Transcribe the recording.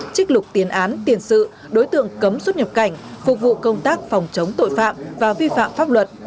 trích lục tiến án tiền sự đối tượng cấm xuất nhập cảnh phục vụ công tác phòng chống tội phạm và vi phạm pháp luật